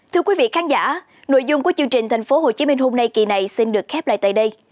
thưa quý vị khán giả nội dung của chương trình tp hcm hôm nay kỳ này xin được khép lại tại đây